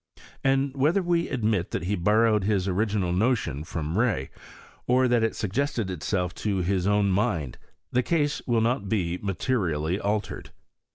And whether we admit that he borrowed his original notion from Rey, or that it suggested itself to own mind, the case will not he materially altered.